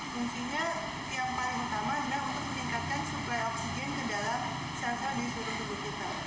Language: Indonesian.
intinya yang paling utama adalah untuk meningkatkan suplai oksigen ke dalam sel sel di suhu tubuh kita